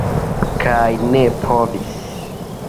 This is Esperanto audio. Kaj ne povis.